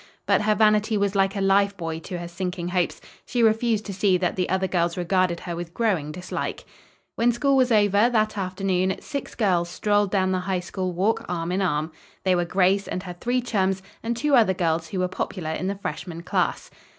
But her vanity was like a life buoy to her sinking hopes. She refused to see that the other girls regarded her with growing dislike. When school was over, that afternoon, six girls strolled down the High School walk arm in arm. They were Grace and her three chums and two other girls who were popular in the freshman class.